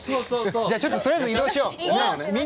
じゃあちょっととりあえず移動しよう。